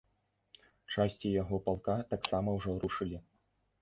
Часці яго палка таксама ўжо рушылі.